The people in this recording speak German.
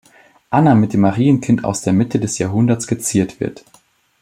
Anna mit dem Marienkind aus der Mitte des Jahrhunderts geziert wird.